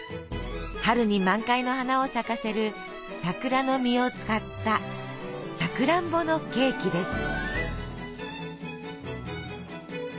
春に満開の花を咲かせる桜の実を使ったさくらんぼのケーキです。